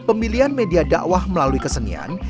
pemilihan media dakwah melalui kesenian